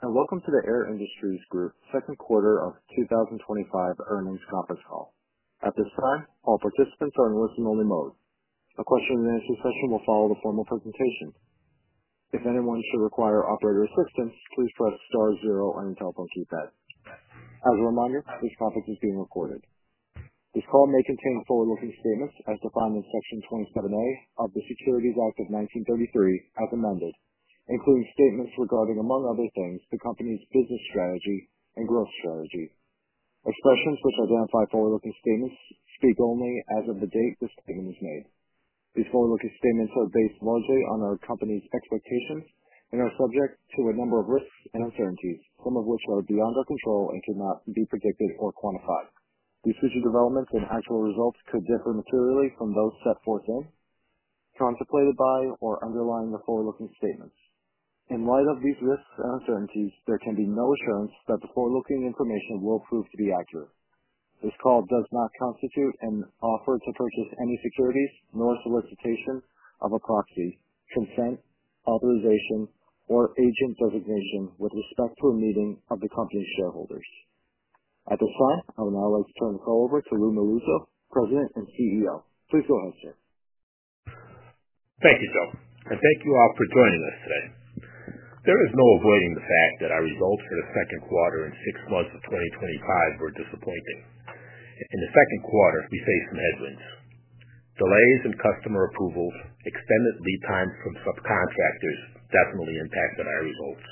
Welcome to the Air Industries Group second quarter of 2025 earnings conference call. At this time, all participants are in listen-only mode. A question and answer session will follow the formal presentation. If anyone would require operator assistance, please press star zero on your telephone keypad. As a reminder, this conference is being recorded. This call may contain forward-looking statements as defined in Section 27A of the Securities Act of 1933 as amended, including statements regarding, among other things, the company's business strategy and growth strategy. Express and quickly identified forward-looking statements speak only as of the date this statement is made. These forward-looking statements are based largely on our company's expectations and are subject to a number of risks and uncertainties, some of which are beyond our control and cannot be predicted or quantified. Decision developments and actual results could differ materially from those set forth with, contemplated by, or underlying the forward-looking statements. In light of these risks and uncertainties, there can be no assurance that the forward-looking information will prove to be accurate. This call does not constitute an offer to purchase any securities nor solicitation of a proxy, consent, authorization, or agent designation with respect to a meeting of the company's shareholders. At this time, I would now like to turn the call over to Lou Melluzzo, President and CEO. Please go ahead, sir. Thank you, Phil. Thank you all for joining us today. There is no avoiding the fact that our results in the second quarter and six months of 2025 were disappointing. In the second quarter, we faced headwinds. Delays in customer approvals and extended lead times from subcontractors definitely impacted our results.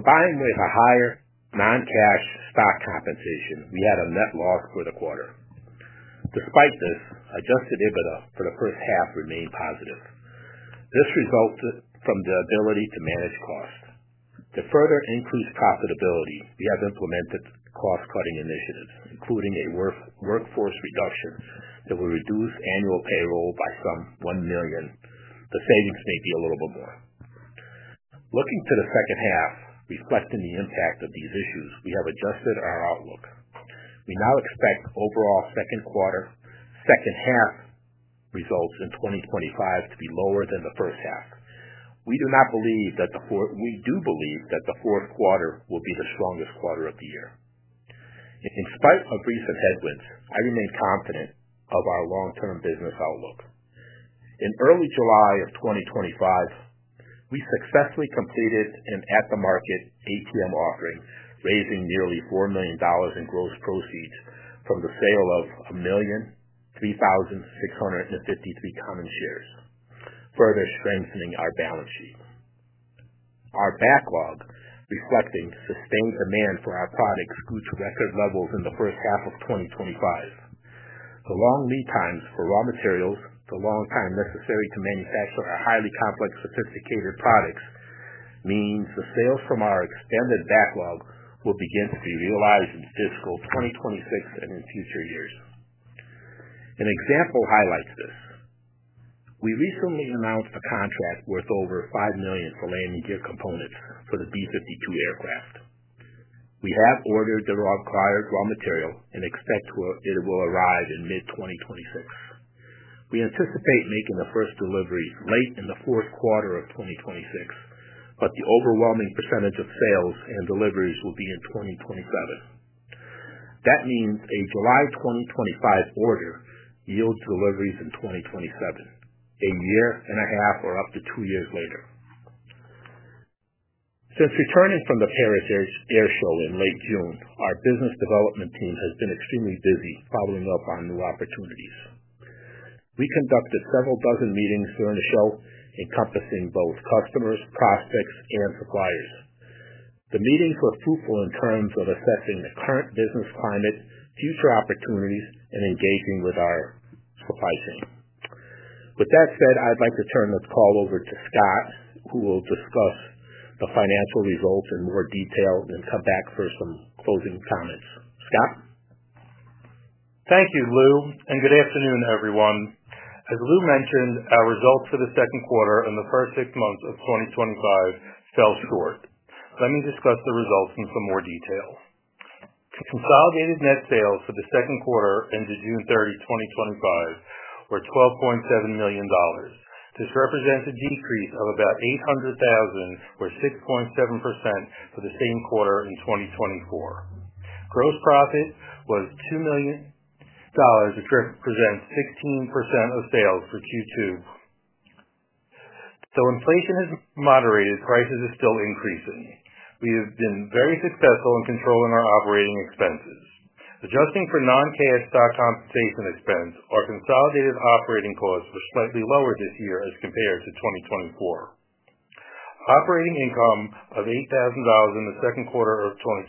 Combined with higher non-cash stock compensation, we had a net loss for the quarter. Despite this, adjusted EBITDA for the first half remained positive. This resulted from the ability to manage costs. To further increase profitability, we have implemented cost-cutting initiatives, including a workforce reduction that will reduce annual payroll by some $1 million. The savings may be a little bit more. Looking to the second half, reflecting the impact of these issues, we have adjusted our outlook. We now expect overall second half results in 2025 to be lower than the first half. We do believe that the fourth quarter will be the strongest quarter of the year. In spite of recent headwinds, I remain confident of our long-term business outlook. In early July 2025, we successfully completed an at-the-market equity offering, raising nearly $4 million in gross proceeds from the sale of 1,353,000 common shares, further strengthening our balance sheet. Our backlog, reflecting sustained demand for our products, reached record levels in the first half of 2025. The long lead times for raw materials and the long time necessary to manufacture our highly complex, sophisticated products mean the sales from our extended backlog will begin to be realized in fiscal 2026 and in future years. An example highlights this. We recently announced a contract worth over $5 million for landing gear components for the B-52 aircraft. We have ordered the required raw material and expect it will arrive in mid-2026. We anticipate making the first deliveries late in the fourth quarter of 2026, but the overwhelming percentage of sales and deliveries will be in 2027. That means a July 2025 order yields deliveries in 2027, a year and a half or up to two years later. Since returning from the Paris Air Show in late June, our business development team has been extremely busy following up on new opportunities. We conducted several dozen meetings during the show, encompassing both customers, prospects, and suppliers. The meetings were fruitful in terms of assessing the current business climate, future opportunities, and engaging with our supply chain. With that said, I'd like to turn this call over to Scott, who will discuss the financial results in more detail and come back for some closing comments. Scott? Thank you, Lou, and good afternoon, everyone. As Lou mentioned, our results for the second quarter and the first six months of 2025 fell short. Let me discuss the results in some more detail. The consolidated net sales for the second quarter ended June 30, 2025, were $12.7 million. This represents a decrease of about $800,000, or 6.7%, for the same quarter in 2024. Gross profit was $2 million. It represents 16% of sales for Q2. When pricing is moderated, prices are still increasing. We have been very successful in controlling our operating expenses. Adjusting for non-cash stock compensation expense, our consolidated operating costs were slightly lower this year as compared to 2024. Operating income of $8,000 in the second quarter of 2025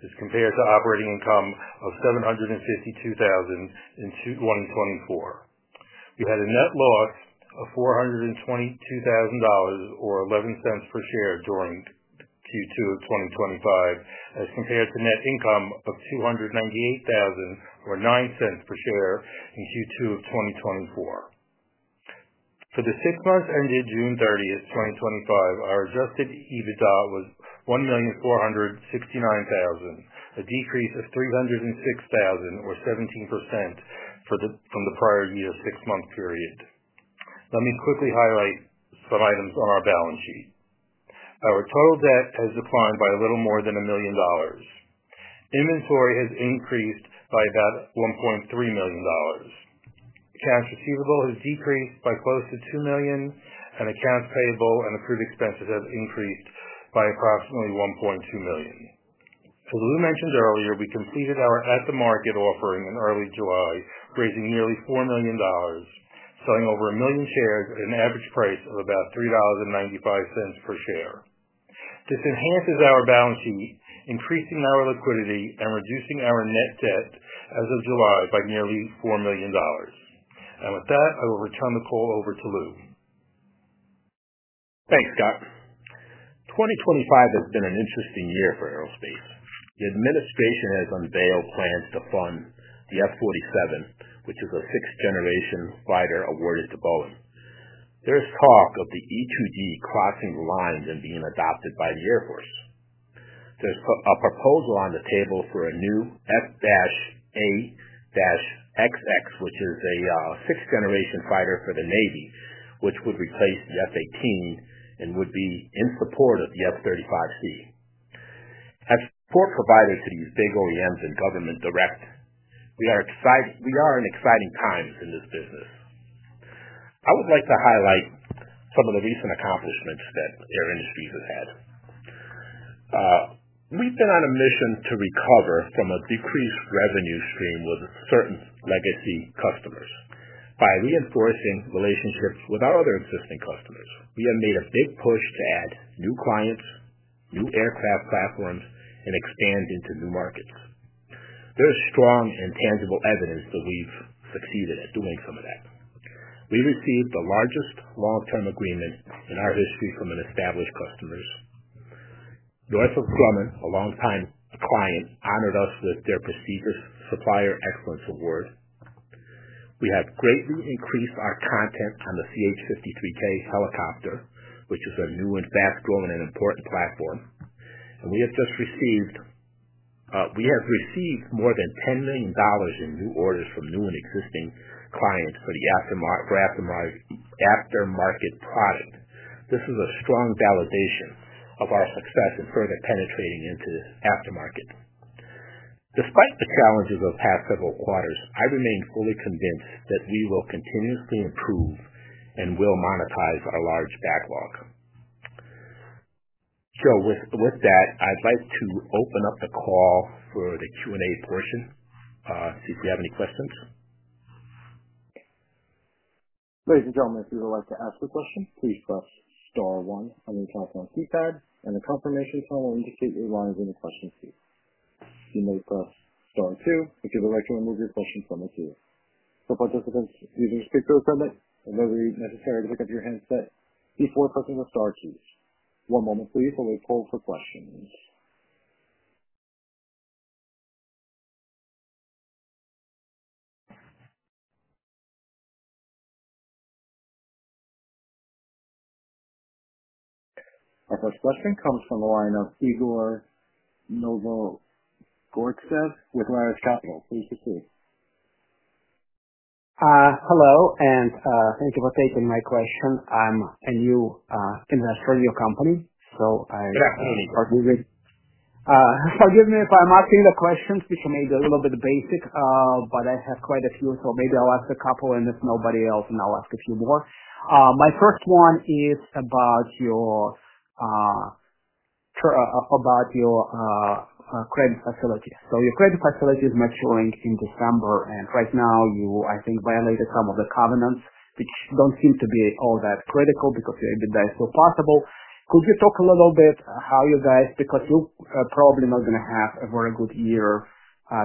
is compared to operating income of $752,000 in Q1 of 2024. We had a net loss of $422,000 or $0.11 per share during Q2 of 2025, as compared to net income of $298,000 or $0.09 per share in Q2 of 2024. For the six months ended June 30, 2025, our adjusted EBITDA was $1,469,000, a decrease of $306,000 or 17% from the prior year's six-month period. Let me quickly highlight some items on our balance sheet. Our total debt has declined by a little more than $1 million. Inventory has increased by about $1.3 million. Cash receivable has decreased by close to $2 million, and accounts payable and accrued expenses have increased by approximately $1.2 million. As Lou mentioned earlier, we completed our at-the-market equity offering in early July, raising nearly $4 million, selling over 1 million shares at an average price of about $3.95 per share. This enhances our balance sheet, increasing our liquidity and reducing our net debt as of July by nearly $4 million. I will return the call over to Lou. Thanks, Scott. 2025 has been an interesting year for aerospace. The administration has unveiled plans to fund the F-47, which is a sixth-generation fighter awarded to Boeing. There is talk of the E-2D crossing the lines and being adopted by the Air Force. There's a proposal on the table for a new F-A-XX, which is a sixth-generation fighter for the Navy, which would replace the F-18 and would be in support of the F-35C. As part providers to these big OEMs and government direct, we are in exciting times in this business. I would like to highlight some of the recent accomplishments that Air Industries Group has had. We've been on a mission to recover from a decreased revenue stream with certain legacy customers by reinforcing relationships with our other existing customers. We have made a big push to add new clients, new aircraft platforms, and expand into new markets. There's strong and tangible evidence that we've succeeded at doing some of that. We've received the largest long-term agreement in our history from an established customer. Northrop Grumman, a longtime client, honored us with their prestigious Supplier Excellence Award. We have greatly increased our content on the CH-53K helicopter, which is a new and fast-growing and important platform. We have received more than $10 million in new orders from new and existing clients for the aftermarket product. This is a strong validation of our success in further penetrating into the aftermarket. Despite the challenges of the past several quarters, I remain fully convinced that we will continuously improve and will monetize our large backlog. With that, I'd like to open up the call for the Q&A portion. If you have any questions. Ladies and gentlemen, if you would like to ask a question, please press star one on your telephone keypad and the confirmation sign will indicate your line in the question queue. If you press star two, you get the right to remove your question from the queue. For participants, you may speak to a permit. It may be necessary to pick up your headset before pressing the star key. One moment, please, while we poll for questions. Our first question comes from the line of Igor Novgorodtsev with Lares Capital, please proceed. Hello, and thank you for taking my question. I'm a new investor in your company, so I am a partner. I'll give you if I'm asking the questions because maybe they're a little bit basic, but I have quite a few, so maybe I'll ask a couple and if nobody else, then I'll ask a few more. My first one is about your credit facilities. Your credit facilities are maturing in December, and right now you, I think, violated some of the covenants, which don't seem to be all that critical because they're so possible. Could you talk a little bit how you guys, because you are probably not going to have a very good year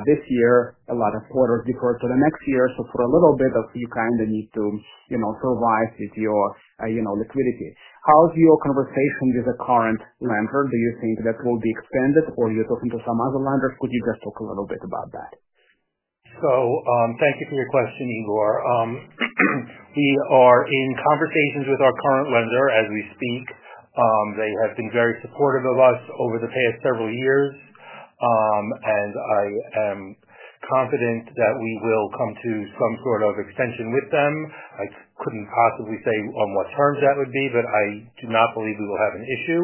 this year, a lot of orders deferred to the next year, so for a little bit, you kind of need to, you know, survive with your, you know, liquidity. How's your conversation with the current lender? Do you think that will be expanded or are you talking to some other lenders? Could you guys talk a little bit about that? Thank you for the question, Igor. We are in conversations with our current lender as we speak. They have been very supportive of us over the past several years, and I am confident that we will come to some sort of extension with them. I couldn't possibly say on what terms that would be, but I do not believe we will have an issue.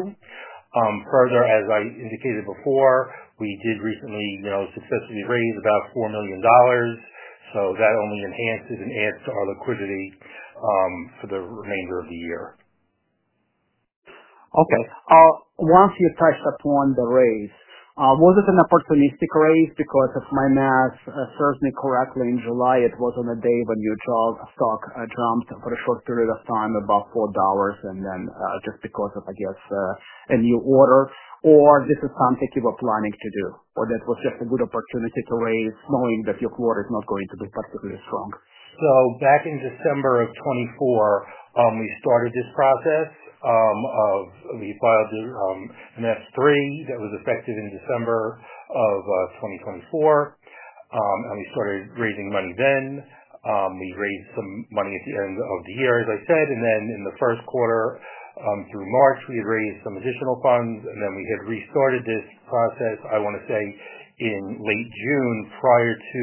Further, as I indicated before, we did recently successfully raise about $4 million, so that only enhances and adds to our liquidity for the remainder of the year. Okay. Once you touched upon the raise, was it an opportunistic raise? Because if my math serves me correctly, in July, it was on a day when your stock jumped for a short period of time above $4, and then just because of, I guess, a new order? Or this is something you were planning to do, or that was a good opportunity to raise knowing that your quarter is not going to be particularly strong? Back in December of 2024, we started this process of we filed an S-3 that was effective in December of 2024. We started raising money then. We raised some money at the end of the year, as I said. In the first quarter, through March, we had raised some additional funds. We had restarted this process, I want to say, in late June prior to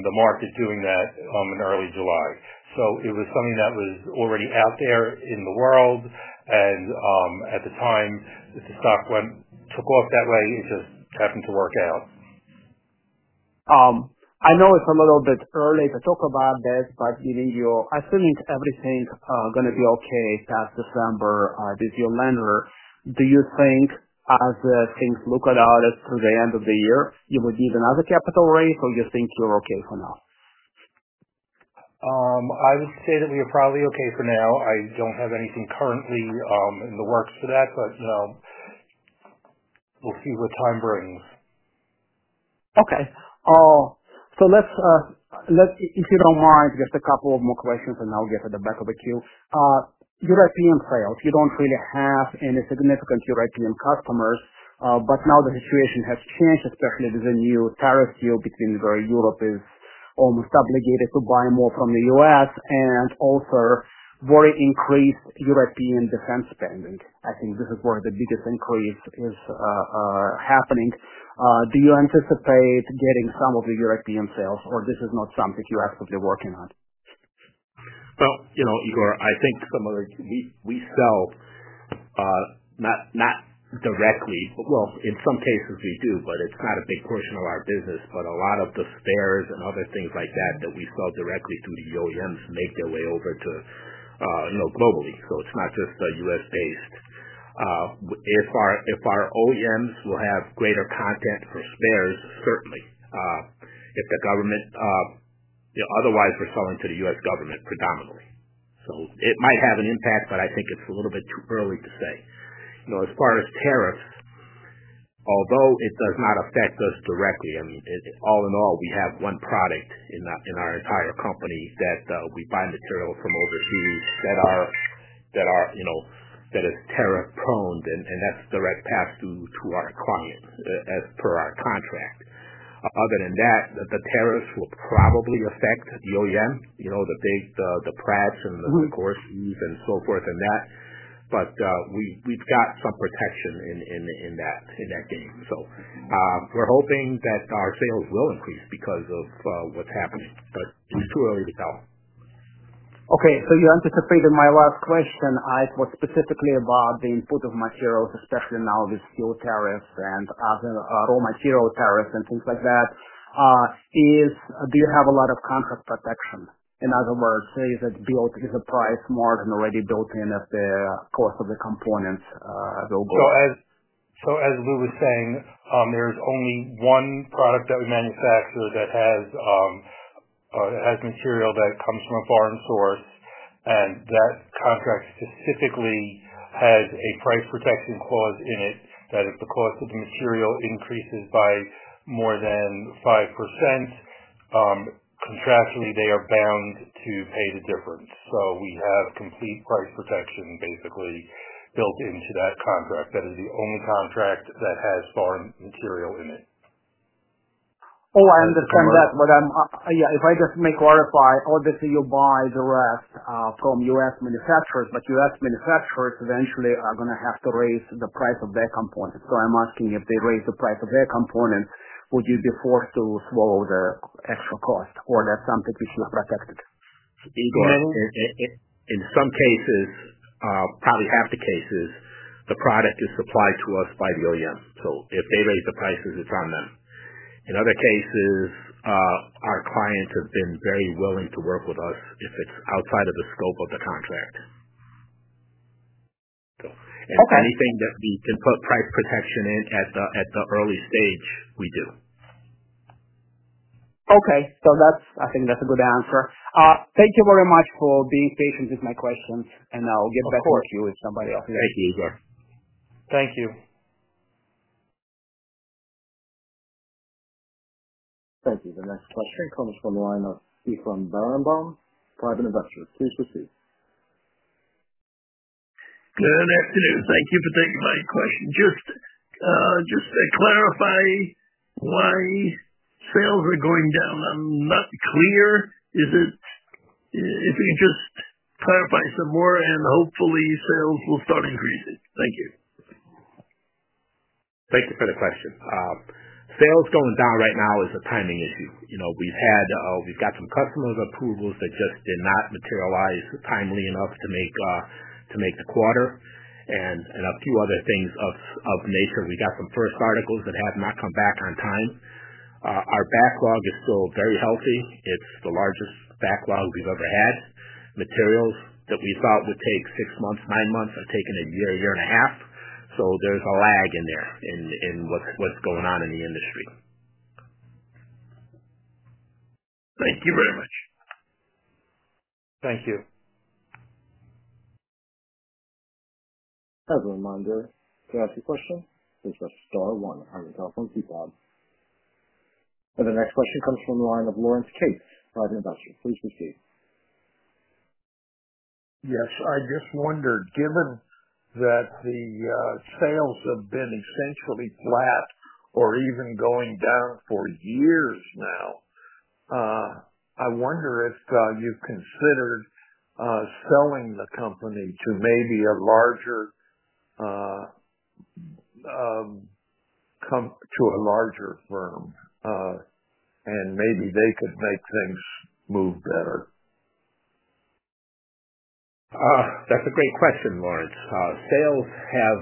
the market doing that in early July. It was something that was already out there in the world. At the time, the stock went took off that way. It just happened to work out. I know it's a little bit early to talk about this, but given your, I think everything is going to be okay past December with your lender. Do you think as things look at us through the end of the year, you will give another capital raise, or do you think you're okay for now? I would say that we are probably okay for now. I don't have anything currently in the works for that, but we'll see what time brings. Okay. Let's, if you don't mind, just a couple more questions, and I'll get to the back of the queue. You don't really have any significant European customers, but now the situation has changed, especially with the new tariffs where Europe is almost obligated to buy more from the U.S. and also very increased European defense spending. I think this is where the biggest increase is happening. Do you anticipate getting some of the European sales, or is this not something you're actively working on? You know, Igor, I think some of the we sell not directly. In some cases, we do, but it's not a big portion of our business. A lot of the spares and other things like that that we sell directly to the OEMs make their way over to, you know, globally. It's not just the U.S. based. If our OEMs will have greater content for spares, certainly. If the government, you know, otherwise, they're selling to the U.S. government predominantly. It might have an impact, but I think it's a little bit too early to say. As far as tariffs, although it does not affect us directly, all in all, we have one product in our entire company that we buy material from overseas that is tariff-prone. That's the direct path through to our client as per our contract. Other than that, the tariffs will probably affect the OEM, you know, the bigs, the Pratt's, and the Sikorskys, and so forth and that. We've got some protection in that game. We're hoping that our sales will increase because of what's happening, but it's too early to tell. Okay. You anticipated my last question, asked specifically about the input of materials, especially now with steel tariffs and other raw material tariffs and things like that. Do you have a lot of contract protection? In other words, is it built? Is the price margin already built in as the cost of the components will go? As we were saying, there's only one product that we manufacture that has material that comes from a foreign source. That contract specifically has a price protection clause in it that if the cost of the material increases by more than 5%, contractually, they are bound to pay the difference. We have complete price protection basically built into that contract. That is the only contract that has foreign material in it. I understand that, if I just may clarify, obviously, you buy the rest from U.S. manufacturers, but U.S. manufacturers eventually are going to have to raise the price of their components. I'm asking if they raise the price of their component, would you be forced to swallow the extra cost, or is that something you should have protected? In some cases, probably half the cases, the product is supplied to us by the OEMs. If they raise the prices, it's on them. In other cases, our clients have been very willing to work with us if it's outside of the scope of the contract. Anything that we can put price protection in at the early stage, we do. Okay, I think that's a good answer. Thank you very much for being patient with my questions, and I'll get back to you with somebody else. Thank you, Igor. Thank you. Thank you. The next question comes from the line of Ethan Berenbaum, private investors. Please proceed. Good afternoon. Thank you for taking my question. Just to clarify why sales are going down. I'm not clear. If you could just clarify some more, and hopefully, sales will start increasing. Thank you. Thank you for the question. Sales going down right now is a timing issue. We've got some customer approvals that just did not materialize timely enough to make the quarter, and a few other things of that nature. We got some first articles that have not come back on time. Our backlog is still very healthy. It's the largest backlog we've ever had. Materials that we thought would take six months, nine months, are taking a year, year and a half. There is a lag in there in what's going on in the industry. Thank you very much. Thank you. As a reminder, to ask a question, please press star one on the telephone keypad. The next question comes from the line of Lawrence Case, private investors. Please proceed. Yes. I just wonder, given that the sales have been essentially flat or even going down for years now, I wonder if you've considered selling the company to maybe a larger, to a larger firm, and maybe they could make things move better. That's a great question, Lawrence. Sales have,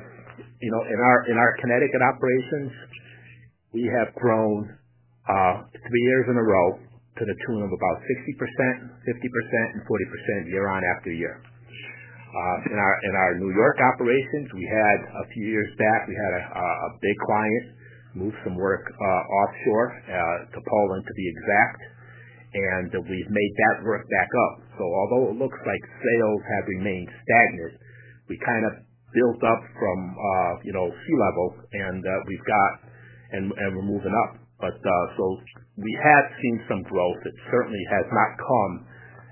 you know, in our Connecticut operations, we have grown three years in a row to the tune of about 60%, 50%, and 40% year after year. In our New York operations, a few years back, we had a big client move some work offshore, to Poland, to be exact. We've made that work back up. Although it looks like sales have remained stagnant, we kind of built up from, you know, sea level, and we're moving up. We have seen some growth. It certainly has not come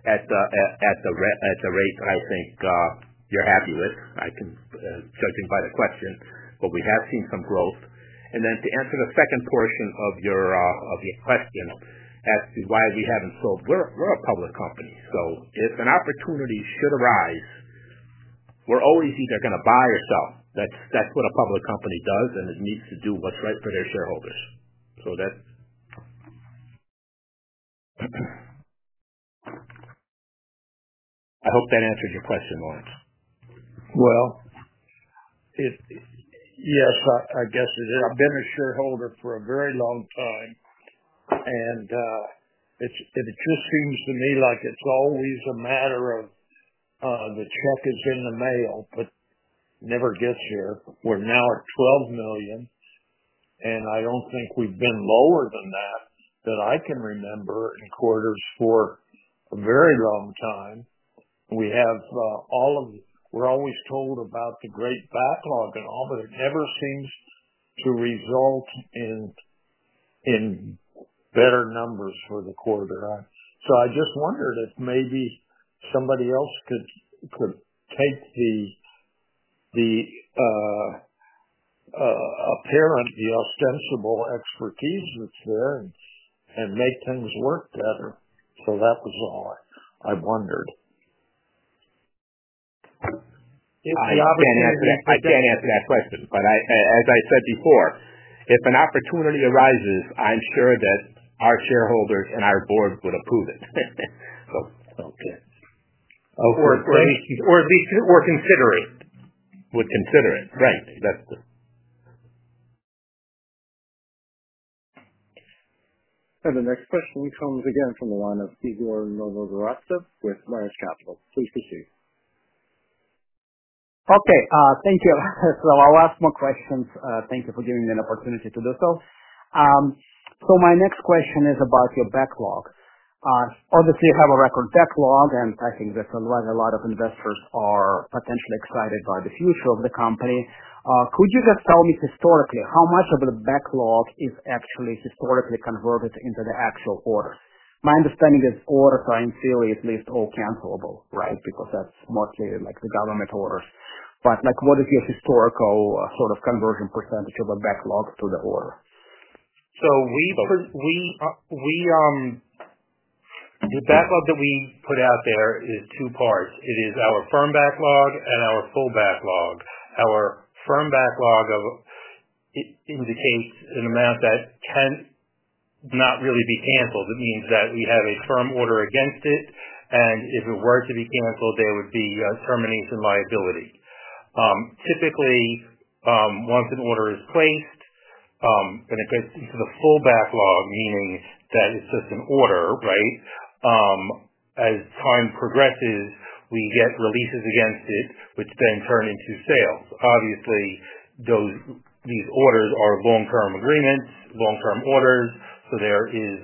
at the rate I think you're happy with, judging by the question, but we have seen some growth. To answer the second portion of your question as to why we haven't sold, we're a public company. If an opportunity should arise, we're always either going to buy or sell. That's what a public company does, and it needs to do what's right for their shareholders. I hope that answered your question, Lawrence. I guess it is. I've been a shareholder for a very long time, and it just seems to me like it's always a matter of the truck is in the mail, but it never gets here. We're now at $12 million, and I don't think we've been lower than that that I can remember in quarters for a very long time. We have all of this, we're always told about the great backlog and all, but it never seems to result in better numbers for the quarter. I just wondered if maybe somebody else could take the apparently ostensible expertise that's there and make things work together. That was all I wondered. I can't answer that question, but as I said before, if an opportunity arises, I'm sure that our shareholders and our board would approve it. Okay. At least would consider it. Would consider it. Right. The next question comes again from the line of Igor Novgorodtsev with Lares Capital. Please proceed. Thank you for giving me an opportunity to do so. My next question is about your backlog. Obviously, you have a record backlog, and I think that's why a lot of investors are potentially excited by the future of the company. Could you just tell me historically how much of the backlog is actually historically converted into the actual order? My understanding is order time series is at least all cancelable, right, because that's mostly like the government orders. What is your historical sort of conversion percentage of a backlog to the order? The backlog that we put out there is two parts. It is our firm backlog and our full backlog. Our firm backlog indicates an amount that cannot really be canceled. It means that we have a firm order against it. If it were to be canceled, there would be a termination liability. Typically, once an order is placed and it gets into the full backlog, meaning that it's just an order, as time progresses, we get releases against it, which then turn into sales. Obviously, these orders are long-term agreements, long-term orders. There is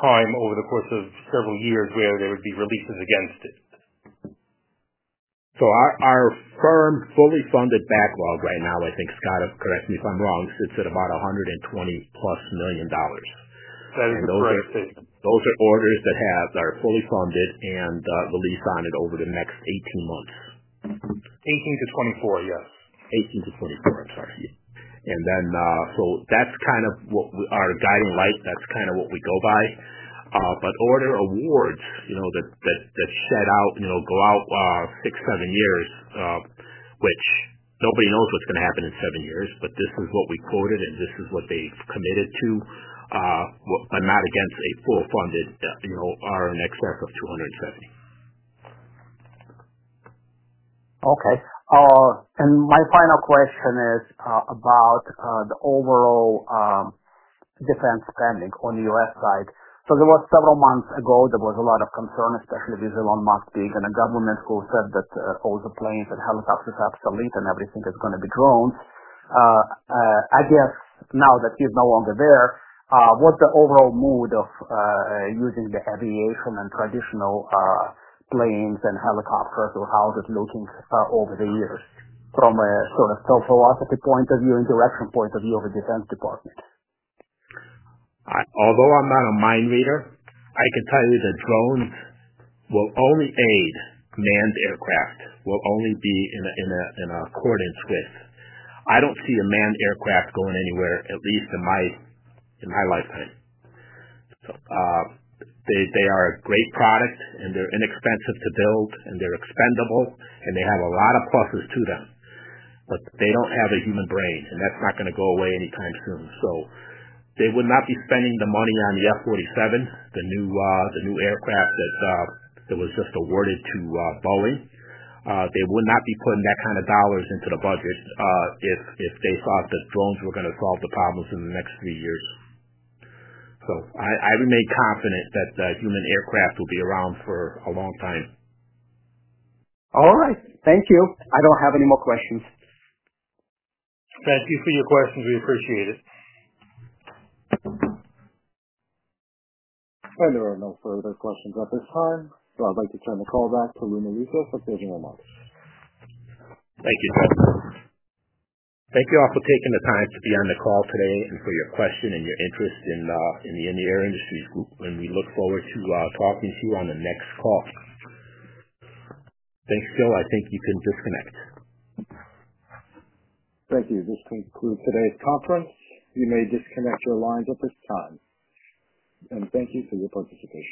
time over the course of several years where there would be releases against it. Our firm fully funded backlog right now, I think, Scott, correct me if I'm wrong, sits at about $120-plus million. That is the current state. Those are orders that are fully funded and release on it over the next 18 months. 18 to 24, yeah. 18 to 24, I'm sorry. That's kind of what our guiding light, that's kind of what we go by. Order awards, you know, that shed out, go out six, seven years, which nobody knows what's going to happen in seven years, but this is what we quoted and this is what they committed to, but not against a full funded, you know, are in excess of 270. Okay. My final question is about the overall defense spending on the U.S. side. There was several months ago, there was a lot of concern, especially with Elon Musk being in the government who said that all the planes and helicopters are obsolete and everything is going to be drone. I guess now that he's no longer there, what's the overall mood of using the aviation and traditional planes and helicopters or how they're looking over the years from a sort of structural philosophy point of view and direction point of view of the Defense Department? All right. Although I'm not a mind reader, I can tell you that drones will only aid manned aircraft, will only be in accordance with. I don't see a manned aircraft going anywhere, at least in my lifetime. They are a great product, and they're inexpensive to build, and they're expendable, and they have a lot of pluses to them. They don't have a human brain, and that's not going to go away anytime soon. They would not be spending the money on the F-47, the new aircraft that was just awarded to Boeing. They would not be putting that kind of dollars into the budget if they thought that drones were going to solve the problems in the next three years. I remain confident that the human aircraft will be around for a long time. All right. Thank you. I don't have any more questions. Thank you for your questions. We appreciate it. There are no further questions at this time. I'd like to turn the call back to Lou Melluzzo for closing remarks. Thank you, Judge. Thank you all for taking the time to be on the call today and for your question and your interest in the Air Industries Group, and we look forward to talking to you on the next call. Thanks, Phil. I think you can disconnect. Thank you. This concludes today's conference. You may disconnect your lines at this time. Thank you for your participation.